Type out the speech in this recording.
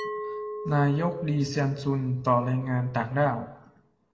นายก ลี เซียนลุง ต่อแรงงานต่างด้าว